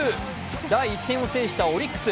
第１戦を制したオリックス。